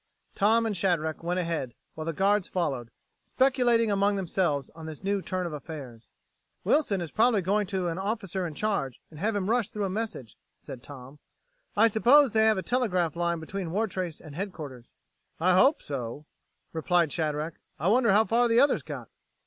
Tom and Shadrack went ahead, while the guards followed, speculating among themselves on this new turn of affairs. "Wilson is probably going to the officer in command and have him rush through a message," said Tom. "I suppose they have a telegraph line between Wartrace and headquarters." "I hope so," replied Shadrack. "I wonder how far the others got?"